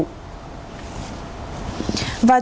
vào chiều nay